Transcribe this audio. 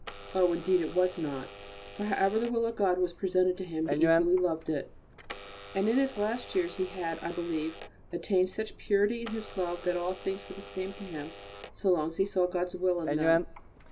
Oh! indeed it was not, for however the will of God was presented to him he equally loved it. And in his last years he had, I believe, attained such purity in his love that all things were the same to him so long as he saw God's will in them.